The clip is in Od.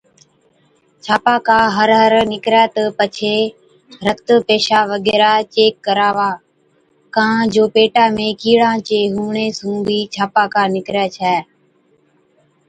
ڇاپاڪا هر هر نِڪرَي تہ پڇي رت، پيشاب وغيره چيڪ ڪراوا ڪان جو پيٽا ۾ ڪِيڙان چي هُوَڻي سُون بِي ڇاپاڪا نِڪرَي ڇَي،